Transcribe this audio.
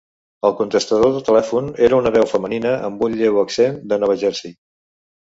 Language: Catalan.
El contestador del telèfon era una veu femenina amb un lleuger accent de Nova Jersey.